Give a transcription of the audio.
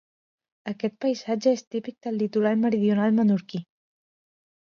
Aquest paisatge és típic del litoral meridional menorquí.